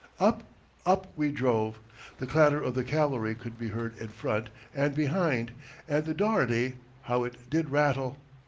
Up, up we drove; the clatter of the cavalry could be heard in front and behind, and the dougherty, how it did rattle!